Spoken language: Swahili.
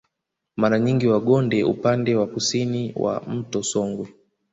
Mara nyingi Wagonde upande wa kusini wa mto Songwe